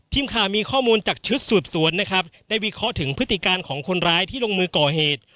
ทีมข่าวมีข้อมูลจากชุดสืบสวนนะครับได้วิเคราะห์ถึงพฤติการของคนร้ายที่ลงมือก่อเหตุ